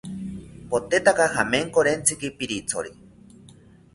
Potetaka jamenkorentziki pirithori